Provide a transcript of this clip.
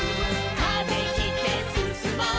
「風切ってすすもう」